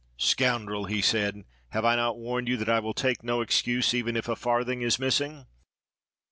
"Scoundrel!" he said. "Have I not warned you that I will take no excuse, even if a farthing is missing?